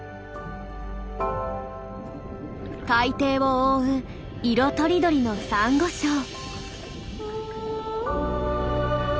海底を覆う色とりどりのサンゴ礁。